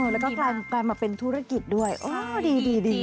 แล้วก็กลายมาเป็นธุรกิจด้วยโอ้ดี